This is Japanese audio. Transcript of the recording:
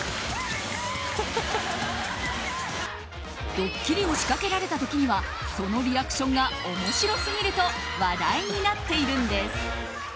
ドッキリを仕掛けられた時にはそのリアクションが面白すぎると話題になっているんです。